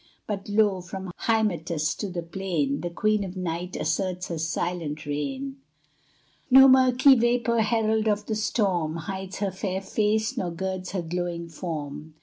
But lo! from high Hymettus to the plain, The queen of night asserts her silent reign. No murky vapor, herald of the storm, Hides her fair face, nor girds her glowing form.